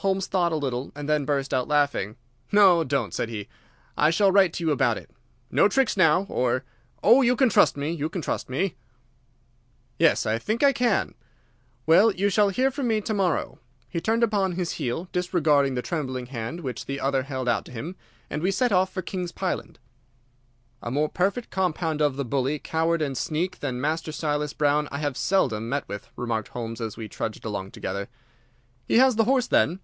Holmes thought a little and then burst out laughing. "No, don't," said he; "I shall write to you about it. No tricks, now, or—" "Oh, you can trust me, you can trust me!" "Yes, I think I can. Well, you shall hear from me to morrow." He turned upon his heel, disregarding the trembling hand which the other held out to him, and we set off for King's Pyland. "A more perfect compound of the bully, coward, and sneak than Master Silas Brown I have seldom met with," remarked Holmes as we trudged along together. "He has the horse, then?"